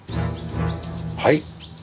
はい？